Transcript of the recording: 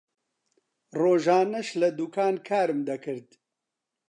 ڕۆژانەش لە دوکان کارم دەکرد.